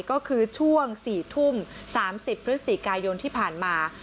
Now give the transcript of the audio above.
ก็คือช่วง๔ทุ่ม๓๐พฤศจิกายนที่ผ่านมา